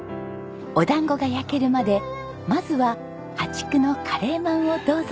お団子が焼けるまでまずは淡竹のカレーまんをどうぞ。